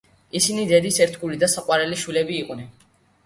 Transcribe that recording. ისინი დედის ერთგული და საყვარელი შვილები იყვნენ.